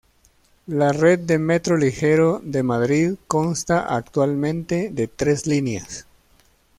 La red de Metro Ligero de Madrid consta actualmente de tres líneas.